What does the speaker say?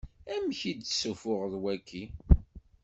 Amek i d-tessuffuɣeḍ wagi?